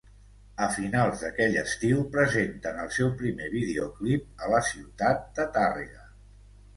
A finals d'aquell estiu presenten el seu primer videoclip a la ciutat de Tàrrega.